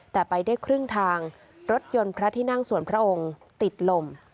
แต่ไปได้ครึ่งทางรถยนต์พระที่นั่งส่วนพระองค์ติดลม